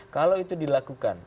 kalau itu dilakukan